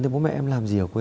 thế bố mẹ em làm gì ở quê